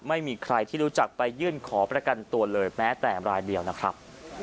ไม่มีใครที่รู้จักไปยื่นขอประกันตัวเลยแม้แต่รายเดียวนะครับ